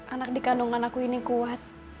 anak di kandungan aku ini kuat